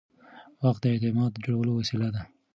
وخت د اعتماد جوړولو وسیله ده.